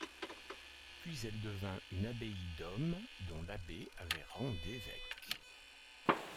Puis elle devint une abbaye d'homme, dont l'abbé avait rang d'évêque.